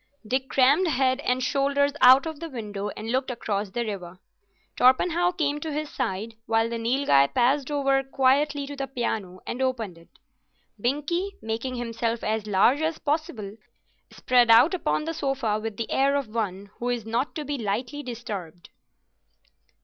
Dick crammed head and shoulders out of the window and looked across the river. Torpenhow came to his side, while the Nilghai passed over quietly to the piano and opened it. Binkie, making himself as large as possible, spread out upon the sofa with the air of one who is not to be lightly disturbed.